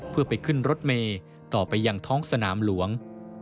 เพื่อไปขึ้นรถเมย์ต่อไปยังท้องสนามหลวง